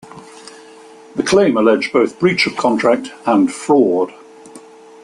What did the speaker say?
The claim alleged both breach of contract and fraud.